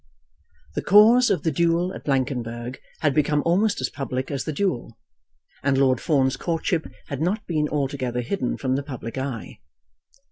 The cause of the duel at Blankenberg had become almost as public as the duel, and Lord Fawn's courtship had not been altogether hidden from the public eye.